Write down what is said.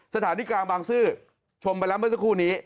สถานีกลางบางซื่อชมไปแล้วเมื่อสักครู่นี้